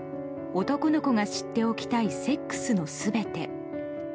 男の子が知っておきたいセックスのすべて」。